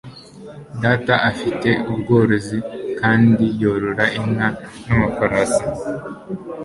Data afite ubworozi kandi yorora inka n'amafarasi.